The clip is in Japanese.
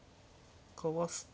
かわすと。